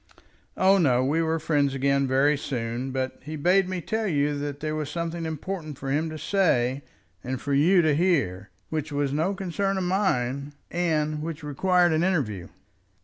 "Oh, no; we were friends again very soon. But he bade me tell you that there was something important for him to say and for you to hear, which was no concern of mine, and which required an interview."